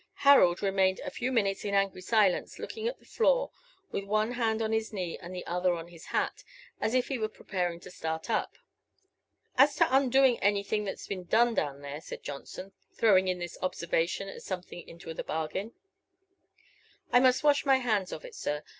Harold remained a few minutes in angry silence looking at the floor, with one hand on his knee and the other on his hat, as if he were preparing to start up. "As to undoing anything that's been done down there," said Johnson, throwing in this observation as something into the bargain, "I must wash my hands of it, sir.